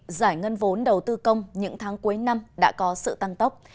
thưa quý vị giải ngân vốn đầu tư công những tháng cuối năm đã có sự tăng tốc